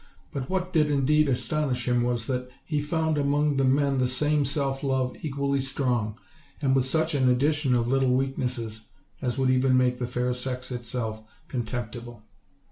But what did indeed astonish him was, that he found among the men the same self love equally strong and with such an addi tion of little weaknesses as would even make the fair sex itself contemptible.